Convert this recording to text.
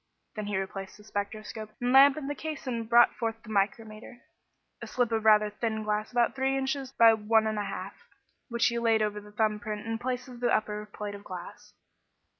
Then he replaced the spectroscope and lamp in the case and brought forth the micrometer a slip of rather thin glass about three inches by one and a half which he laid over the thumb print in the place of the upper plate of glass.